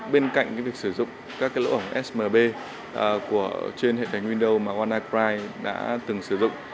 bên cạnh việc sử dụng các lỗ hổng smb trên hệ thống windows mà wannacry đã từng sử dụng